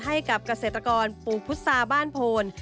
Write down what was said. ให้กับเกษตรกรปลูกพุษาบ้านโพน